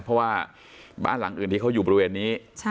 เพราะว่าบ้านหลังอื่นที่เขาอยู่บริเวณนี้